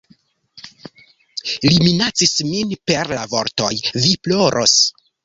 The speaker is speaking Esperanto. Li minacis min per la vortoj "Vi ploros!